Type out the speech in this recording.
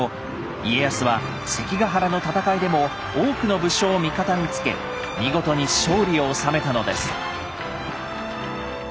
家康は関ヶ原の戦いでも多くの武将を味方につけ見事に勝利を収めたのです。